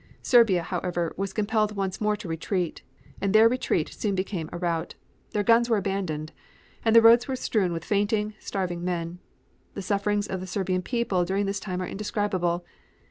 Serbia, however, was compelled once more to retreat, and their retreat soon became a rout. Their guns were abandoned and the roads were strewn with fainting, starving men. The sufferings of the Serbian people during this time are indescribable.